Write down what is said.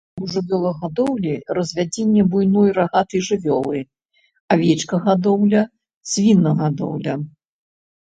У жывёлагадоўлі развядзенне буйной рагатай жывёлы, авечкагадоўля, свінагадоўля.